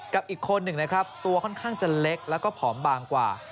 อีกคนหนึ่งนะครับตัวค่อนข้างจะเล็กแล้วก็ผอมบางกว่า